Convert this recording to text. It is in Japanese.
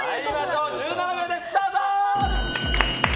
１７秒ですどうぞ！